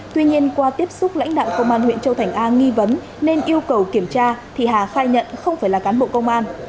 tuy nhiên qua tiếp xúc lãnh đạo công an huyện châu thành a nghi vấn nên yêu cầu kiểm tra thì hà khai nhận không phải là cán bộ công an